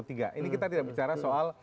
ini kita tidak bicara soal